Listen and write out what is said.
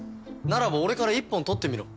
ならば俺から一本取ってみろ。